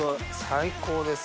最高です。